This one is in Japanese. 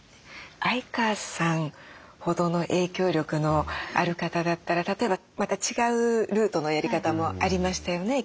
相川さんほどの影響力のある方だったら例えばまた違うルートのやり方もありましたよねきっと。